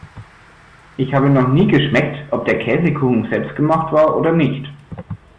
Ich habe noch nie geschmeckt, ob der Käsekuchen selbstgemacht war oder nicht.